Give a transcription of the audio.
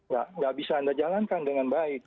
tidak bisa anda jalankan dengan baik